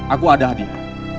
aku ada hadiah